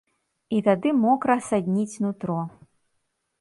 І тады мокра садніць нутро.